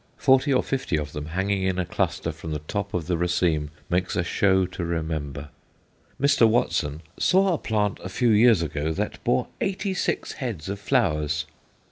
Forty or fifty of them hanging in a cluster from the top of the raceme make a show to remember. Mr. Watson "saw a plant a few years ago, that bore eighty six heads of flowers!"